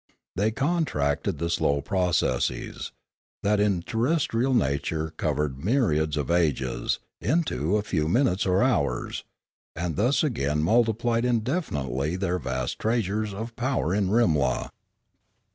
They contracted the slow processes, that in terrestrial nature covered myriads of ages, into a few minutes or hours, and thus again multiplied indefinitely their vast treasures of power in Rimla.